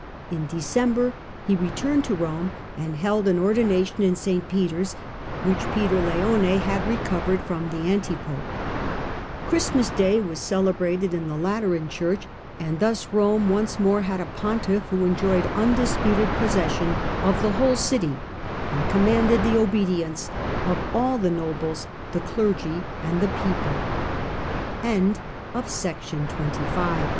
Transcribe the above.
In December he returned to Rome and held an ordination in St. Peter's, which Peter Leone had recovered from the anti pope. Christmas day was celebrated in the Lateran Church ; and thus Rome once more had a pontiff who enjoyed undisputed possession of the whole city, and commanded the obedience of all th